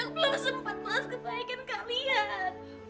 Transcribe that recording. gue belum sempet maaf kebaikan kalian